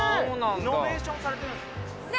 リノベーションされてるんですね。